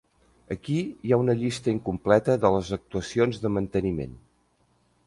Aquí hi ha una llista incompleta de les actuacions de manteniment.